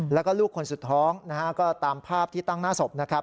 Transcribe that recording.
แล้วก็ลูกคนสุดท้องนะฮะก็ตามภาพที่ตั้งหน้าศพนะครับ